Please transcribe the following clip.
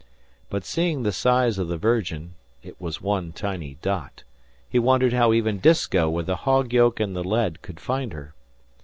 But seeing the size of the Virgin (it was one tiny dot), he wondered how even Disko with the hog yoke and the lead could find her.